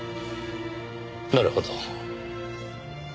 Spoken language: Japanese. なるほど。